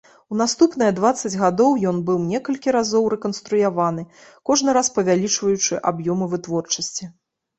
У наступныя дваццаць гадоў ён быў некалькі разоў рэканструяваны, кожны раз павялічваючы аб'ёмы вытворчасці.